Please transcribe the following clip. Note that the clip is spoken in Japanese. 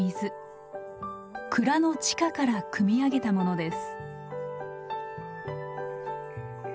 蔵の地下からくみ上げたものです。